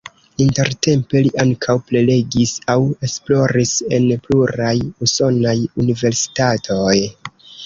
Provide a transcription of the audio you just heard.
Intertempe li ankaŭ prelegis aŭ esploris en pluraj usonaj universitatoj.